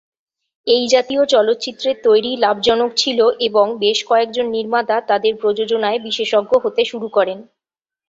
এই জাতীয় চলচ্চিত্রের তৈরি লাভজনক ছিল এবং বেশ কয়েকজন নির্মাতা তাদের প্রযোজনায় বিশেষজ্ঞ হতে শুরু করেন।